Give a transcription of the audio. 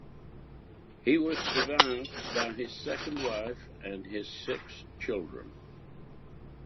He was survived by his second wife and his six children.